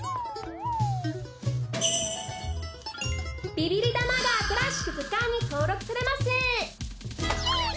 ビリリダマが新しく図鑑に登録されます。